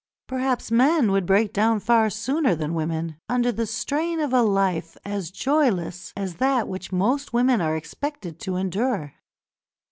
Perhaps men would break down far sooner than women, under the strain of a life as joyless as that which most women are expected to endure.